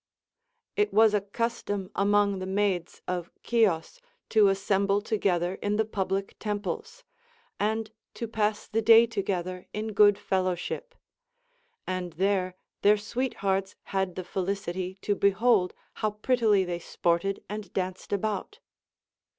It Avas a custom among the maids of Cios to assemble together in the public temples, and to pass the day together in good fellowship ; and there their sweethearts had the fe licity to behold how prettily they sported and danced about.